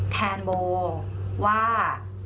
แทนโบว่า